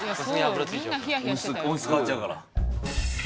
音質変わっちゃうから。